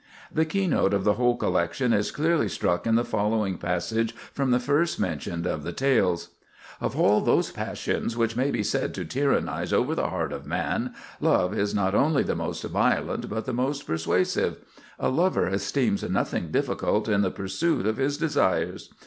The keynote of the whole collection is clearly struck in the following passage from the first mentioned of the tales:— "Of all those passions which may be said to tyrannize over the heart of man, love is not only the most violent, but the most persuasive.... A lover esteems nothing difficult in the pursuit of his desires.